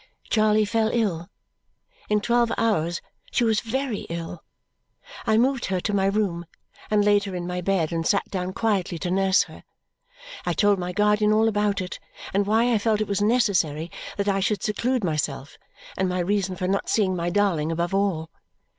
Charley fell ill. In twelve hours she was very ill. I moved her to my room, and laid her in my bed, and sat down quietly to nurse her. I told my guardian all about it, and why I felt it was necessary that I should seclude myself, and my reason for not seeing my darling above all.